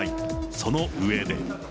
その上で。